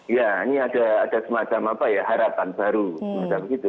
ya ini ada semacam apa ya harapan baru semacam itu